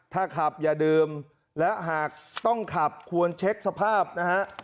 ถ้าขับอย่าดื่มและหากต้องขับควรเช็คสภาพนะฮะ